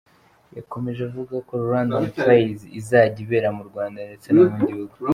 Yakomeje avuga ko Rwandan Praise izajya ibera mu Rwanda ndetse no mu bindi bihugu.